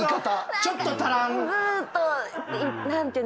ちょっと足らん。